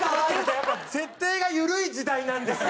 設定が緩い時代なんですよ！